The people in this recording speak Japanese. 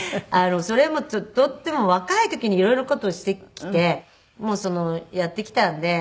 それもとっても若い時に色んな事をしてきてやってきたんで。